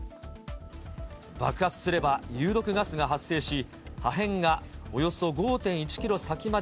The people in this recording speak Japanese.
爆発すれば有毒ガスが発生し、破片がおよそ５．１キロ先まで